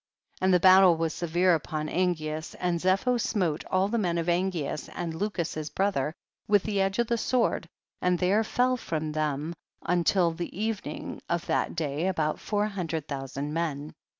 28. And the battle was severe up on Angeas, and Zepho smote all the men of Angeas and Lucus his bro ther, with the edge of the sword, and there fell from them until the even ing of that day about four hundred thousand men.